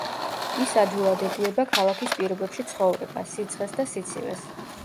ის ადვილად ეგუება ქალაქის პირობებში ცხოვრებას, სიცხეს და სიცივეს.